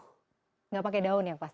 tidak pakai daun yang pasti